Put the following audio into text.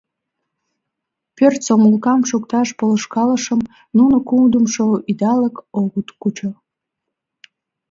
Пӧрт сомылкам шукташ полышкалышым нуно кудымшо идалык огыт кучо.